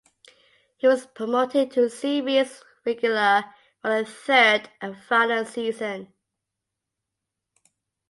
He was promoted to series regular for the third and final season.